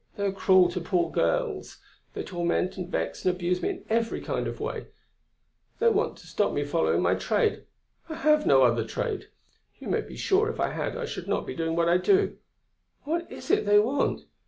They are cruel to poor girls. They torment and vex and abuse me in every kind of way; they want to stop me following my trade. I have no other trade. You may be sure, if I had, I should not be doing what I do.... What is it they want?